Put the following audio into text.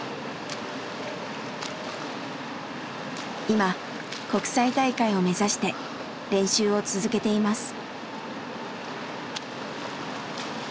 今国際大会を目指して練習を続けています。